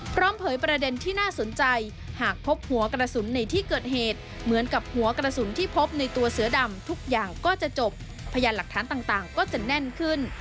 เผยประเด็นที่น่าสนใจหากพบหัวกระสุนในที่เกิดเหตุเหมือนกับหัวกระสุนที่พบในตัวเสือดำทุกอย่างก็จะจบพยานหลักฐานต่างก็จะแน่นขึ้น